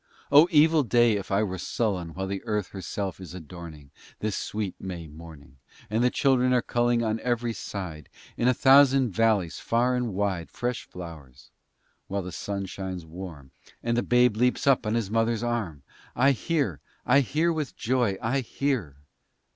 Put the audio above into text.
Oh evil day! if I were sullen While the Earth herself is adorning, This sweet May morning, And the Children are pulling, On every side, In a thousand vallies far and wide, Fresh flowers; while the sun shines warm, And the Babe leaps up on his Mother's arm:— I hear, I hear, with joy I hear!